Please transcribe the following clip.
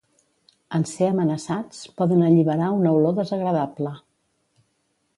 En ser amenaçats, poden alliberar una olor desagradable.